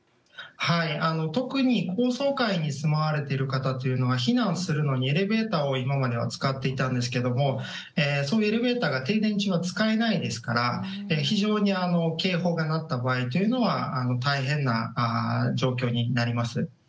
特に高層階に住まわれている方は避難するのにエレベーターを今までは使っていたんですがそのエレベーターが停電中は使えないですから非常に警報が鳴った場合というのは大変な状況になります。